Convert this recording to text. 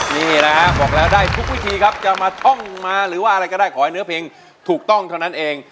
นี่นะฮะบอกแล้วได้ทุกวิธีครับจะมาท่องมาหรือว่าอะไรก็ได้ขอให้เนื้อเพลงถูกต้องเท่านั้นเอง